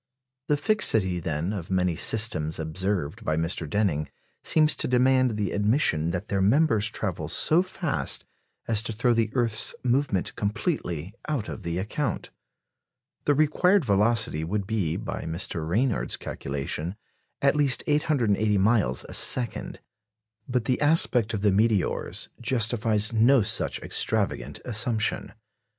The fixity, then, of many systems observed by Mr. Denning seems to demand the admission that their members travel so fast as to throw the earth's movement completely out of the account. The required velocity would be, by Mr. Ranyard's calculation, at least 880 miles a second. But the aspect of the meteors justifies no such extravagant assumption.